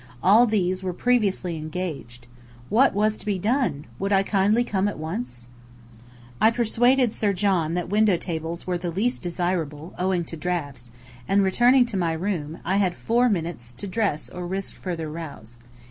All these were previously engaged. What was to be done? Would I kindly come at once? I persuaded Sir John that window tables were the least desirable, owing to draughts, and returning to my room, had four minutes to dress or risk further rows.